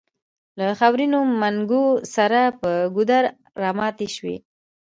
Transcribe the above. له خاورينو منګو سره پر ګودر راماتې شوې.